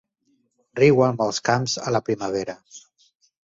Riuen els camps a la primavera.